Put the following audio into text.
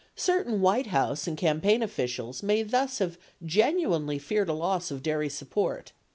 Certain White House and campaign officials may thus have genuinely feared a loss of dairy support.